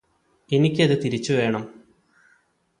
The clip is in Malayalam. എനിക്കത് തിരിച്ചുവേണം